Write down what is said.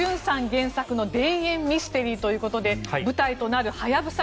原作の田園ミステリーということで舞台となるハヤブサ